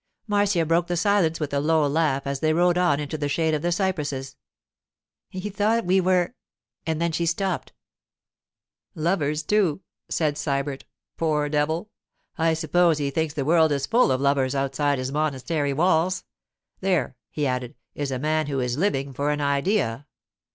Marcia broke the silence with a low laugh as they rode on into the shade of the cypresses. 'He thought we were——' and then she stopped. 'Lovers too,' said Sybert. 'Poor devil! I suppose he thinks the world is full of lovers outside his monastery walls. There,' he added, 'is a man who is living for an idea.